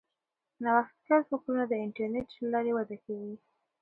نوښتګر فکرونه د انټرنیټ له لارې وده کوي.